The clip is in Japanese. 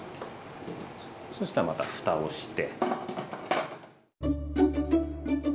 そしたらまたふたをして。